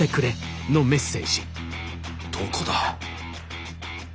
どこだ？